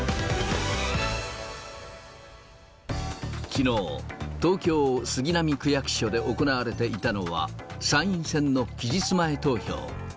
きのう、東京・杉並区役所で行われていたのは、参院選の期日前投票。